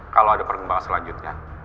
kalau ada perkembangan selanjutnya